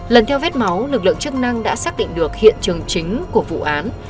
lần theo vết máu lực lượng chức năng đã xác định được hiện trường chính của vụ án